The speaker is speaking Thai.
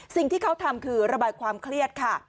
สิ่งที่เขาทำคือระบายความเครียดค่ะ